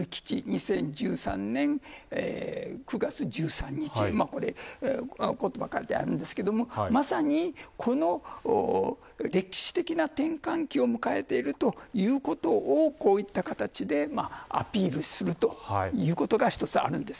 ２０１３年９月１３日ということが書かれていますがまさに、歴史的な転換期を迎えているということをこういった形でアピールするということが、一つあるんです。